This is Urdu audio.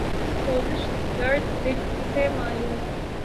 سوزش درد دل کسے معلوم